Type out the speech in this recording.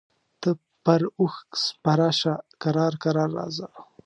ته پر اوښ سپره شه کرار کرار راځه.